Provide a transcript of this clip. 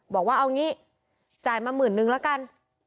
บอกว่าเอางี้จ่ายมาหมื่นนึงละกัน